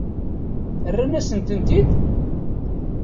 Rran-asen-tent-id?